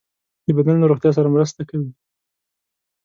د بدن له روغتیا سره مرسته کوي.